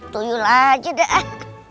tuyul aja dah